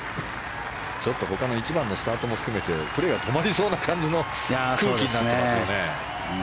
ちょっと他の１番のスタートも含めてプレーが止まりそうな感じの空気になってますよね。